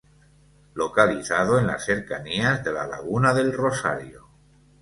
Localizado en las cercanías de la laguna del Rosario.